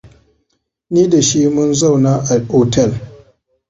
Ni da shi mun zauna a otal.